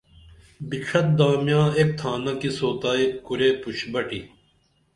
بِڇھت دامیاں ایک تھانہ کی سوتائی کُرے پوش بٹی